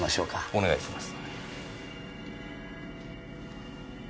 お願いします。